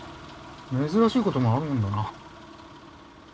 珍しいこともあるんだな。